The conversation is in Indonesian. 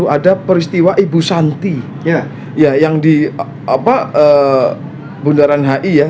ada peristiwa ibu santi yang di bundaran hi ya